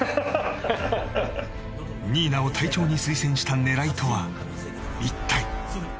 新名を隊長に推薦した狙いとは一体？